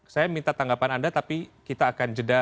saya minta tanggapan anda tapi kita akan jeda